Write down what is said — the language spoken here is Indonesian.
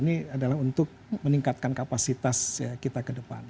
ini adalah untuk meningkatkan kapasitas kita ke depan